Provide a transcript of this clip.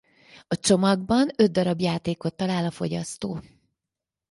A csomagban öt darab játékot talál a fogyasztó.